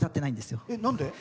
なんで？